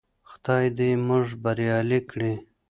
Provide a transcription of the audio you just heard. خدای دې موږ بريالي کړي.